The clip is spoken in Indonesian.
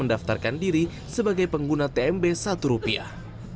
mendaftarkan diri sebagai pengguna tmb satu rupiah